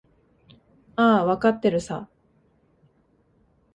ああ、わかってるさ。